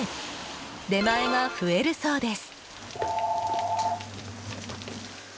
出前が増えるそうです。